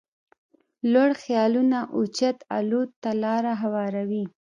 لوړ خيالونه اوچت الوت ته لاره هواروي.